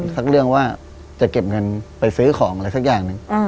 สักเรื่องว่าจะเก็บเงินไปซื้อของอะไรสักอย่างหนึ่ง